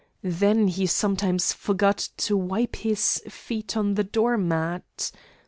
Then he sometimes forgot to wipe his feet on the doormat.